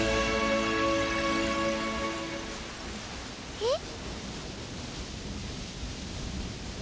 えっ？